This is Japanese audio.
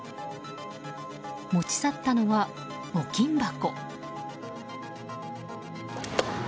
持ち去ったのは、募金箱。